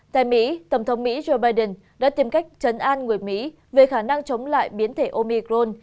tại mỹ tổng thống mỹ joe biden đã tìm cách chấn an người mỹ về khả năng chống lại biến thể omicron